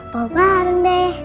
bawa barang deh